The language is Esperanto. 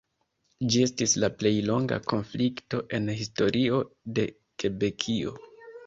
Ĝi estis la plej longa konflikto en historio de Kebekio.